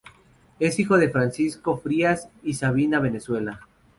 Es hijo de Francisco Frías y Sabina Valenzuela.